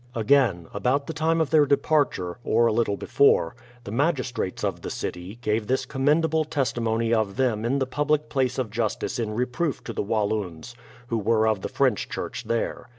Again, about the time of their departure, or a little be fore, the magistrates of the city, gave this commendable testimony of them in the public place of justice in reproof to the Walloons, who were of the French church there.